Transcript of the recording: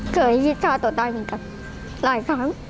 เคยคิดฆ่าตัวตายเหมือนกันหลายครั้ง